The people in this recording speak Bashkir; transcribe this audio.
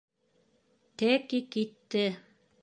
Тәки китте.